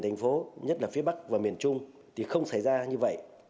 thành phố nhất là phía bắc và miền trung thì không xảy ra như vậy